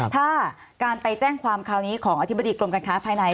ถ้าการไปแจ้งความคราวนี้ของอธิบดีกรมการค้าภายใน